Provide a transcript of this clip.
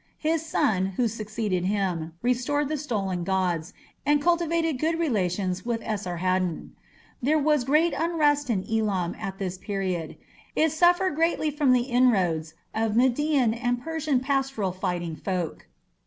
His son, who succeeded him, restored the stolen gods, and cultivated good relations with Esarhaddon. There was great unrest in Elam at this period: it suffered greatly from the inroads of Median and Persian pastoral fighting folk.